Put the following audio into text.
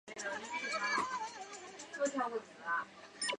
裂瓣翠雀为毛茛科翠雀属下的一个变种。